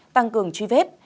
tăng cường truy vết